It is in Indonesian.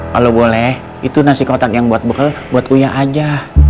kalau boleh itu nasi kotak yang buat bekal buat kuyah aja